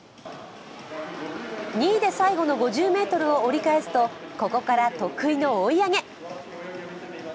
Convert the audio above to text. ２位で最後の５０ｍを折り返すとここから得意の追い上げ。